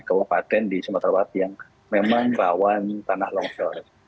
kawupaten di sumatera barat yang memang lawan tanah longsor